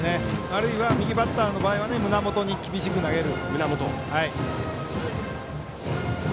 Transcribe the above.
あるいは右バッターの場合胸元に厳しく投げる。